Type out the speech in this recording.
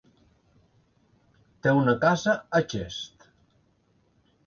Té una casa a Xest.